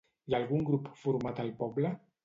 Hi ha algun grup format al poble?